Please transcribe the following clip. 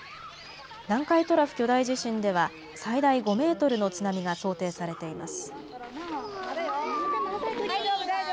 南海トラフ巨大地震では、最大５メートルの津波が想定されています。